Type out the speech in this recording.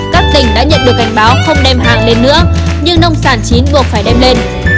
các tỉnh đã nhận được cảnh báo không đem hàng lên nữa nhưng nông sản chín buộc phải đem lên